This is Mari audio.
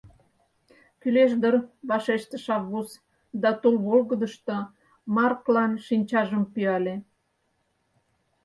— Кӱлеш дыр, — вашештыш Аввус да тул волгыдышто Марклан шинчажым пӱяле.